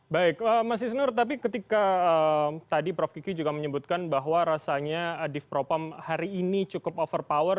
baik mas isner tapi ketika tadi prof kiki juga menyebutkan bahwa rasanya adif propam hari ini cukup over power